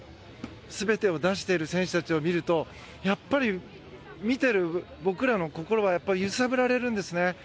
全てを出している選手たちを見るとやっぱり見ている僕らの心は揺さぶられるんですね。